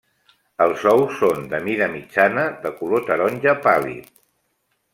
Els ous són de mida mitjana, de color taronja pàl·lid.